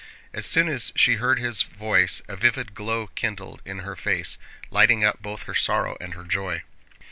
As soon as she heard his voice a vivid glow kindled in her face, lighting up both her sorrow and her joy.